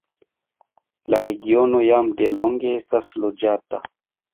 La regiono jam delonge estas loĝata.